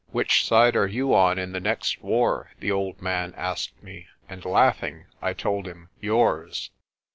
"Which side are you on in the next war?'' the old man asked me, and, laughing, I told him "Yours."